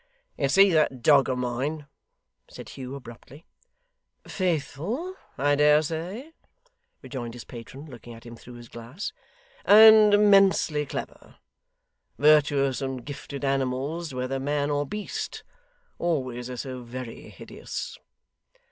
'You see that dog of mine?' said Hugh, abruptly. 'Faithful, I dare say?' rejoined his patron, looking at him through his glass; 'and immensely clever? Virtuous and gifted animals, whether man or beast, always are so very hideous.